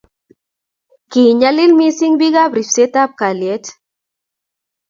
kiinyalil mising' biikab ribsetab kalye